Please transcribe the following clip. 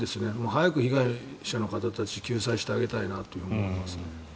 早く被害者の方たちを救済してあげたいなと思いますね。